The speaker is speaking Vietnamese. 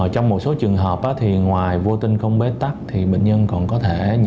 trong một số trường hợp thì ngoài vô tinh không bế tắc thì bệnh nhân còn có thể